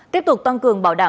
tiếp tục tăng cường bảo đảm